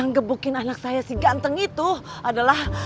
yang gebukin anak saya si ganteng itu adalah